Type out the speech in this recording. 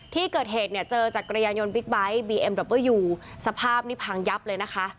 ที่เกิดเหตุเนี่ยเจอจักรยานยนต์บิ๊กไบท์บีเอ็มดับเบอร์ยูสภาพนี่พังยับเลยนะคะ